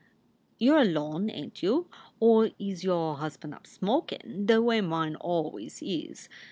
You re alone, ain t you? Or is your husban up smokin , the way mine always is?